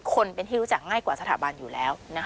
คนเป็นที่รู้จักง่ายกว่าสถาบันอยู่แล้ว